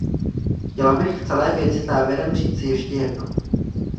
Chtěla bych k celé věci závěrem říci ještě jedno.